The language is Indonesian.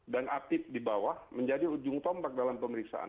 dan atib di bawah menjadi ujung tombak dalam pemeriksaan